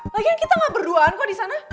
lagian kita gak berduaan kok disana